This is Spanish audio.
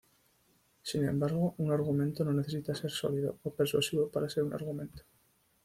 Sin embargo, un argumento no necesita ser sólido o persuasivo para ser un argumento.